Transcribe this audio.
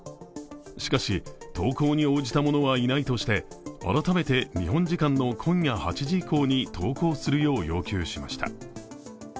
しかし、投降に応じた者はいないとして改めて日本時間の今夜８時以降に投降するよう要求しました。